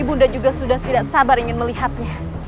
ibu nda juga sudah tidak sabar ingin melihatnya